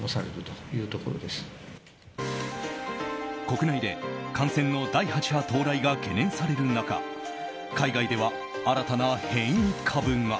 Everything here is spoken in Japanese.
国内で感染の第８波到来が懸念される中海外では新たな変異株が。